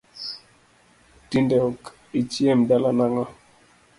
Tinde ok ichiem dala nang'o